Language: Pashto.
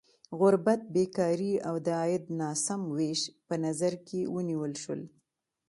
غربت، بېکاري او د عاید ناسم ویش په نظر کې ونیول شول.